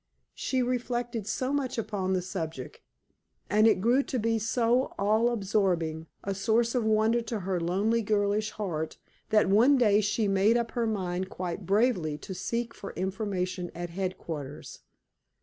She reflected so much upon the subject, and it grew to be so all absorbing a source of wonder to her lonely girlish heart, that one day she made up her mind quite bravely to seek for information at headquarters.